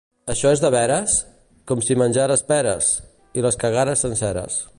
Això és de veres? —Com si menjares peres —I les cagares senceres.